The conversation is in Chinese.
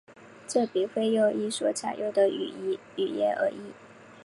这笔费用因所采用的语言而异。